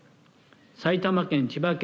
埼玉県、千葉県